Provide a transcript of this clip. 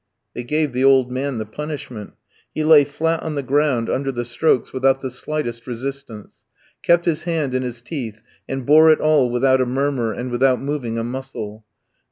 They gave the old man the punishment; he lay flat on the ground under the strokes without the slightest resistance, kept his hand in his teeth, and bore it all without a murmur, and without moving a muscle.